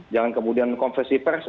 jangan kemudian konfesi pers